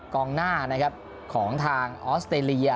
กองหน้าของทางออสเตรเลีย